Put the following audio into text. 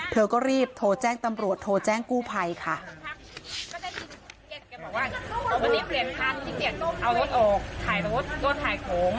เธอก็รีบโทรแจ้งตำรวจโทรแจ้งกู้ภัยค่ะ